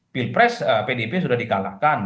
field press pdip sudah dikalahkan